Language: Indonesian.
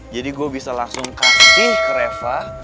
jadi gue bisa langsung kasih ke reva